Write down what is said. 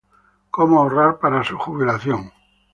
Cómo ahorrar para su jubilación